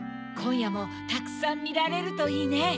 こんやもたくさんみられるといいね。